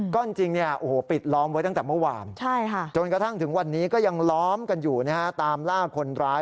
ก็จริงปิดล้อมไว้ตั้งแต่เมื่อวานจนกระทั่งถึงวันนี้ก็ยังล้อมกันอยู่ตามล่าคนร้าย